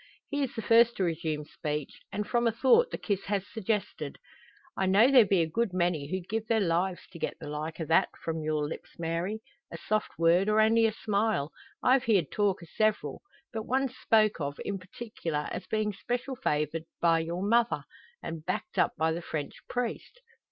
He is the first to resume speech; and from a thought the kiss has suggested: "I know there be a good many who'd give their lives to get the like o' that from your lips, Mary. A soft word, or only a smile. I've heerd talk o' several. But one's spoke of, in particular, as bein' special favourite by your mother, and backed up by the French priest."